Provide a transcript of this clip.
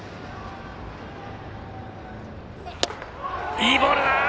いいボール！